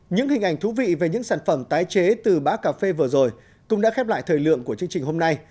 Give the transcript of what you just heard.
những hình ảnh thú vị về những sản phẩm tái chế từ bã cà phê vừa rồi cũng đã khép lại thời lượng của chương trình hôm nay